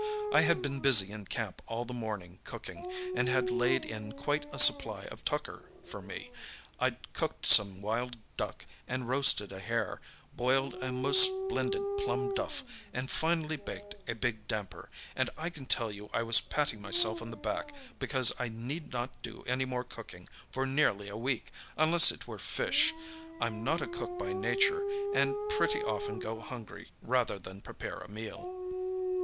I had been busy in camp all the morning cooking, and had laid in quite a supply of tucker, for me. I'd cooked some wild duck, and roasted a hare, boiled a most splendid plum duff and finally baked a big damper, and I can tell you I was patting myself on the back because I need not do any more cooking for nearly a week, unless it were fish—I'm not a cook by nature, and pretty often go hungry rather than prepare a meal.